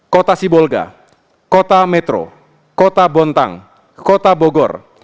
kota sibolga kota metro kota bontang kota bogor